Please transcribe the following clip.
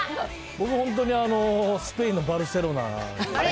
僕、本当に、スペインのバルセロナ。